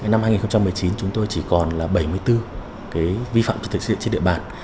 năm hai nghìn một mươi chín chúng tôi chỉ còn là bảy mươi bốn cái vi phạm trật tự xây dựng trên địa bàn